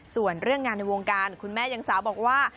ส่วนเรื่องงานในวงการคุณแม่ยังสาวบอกว่า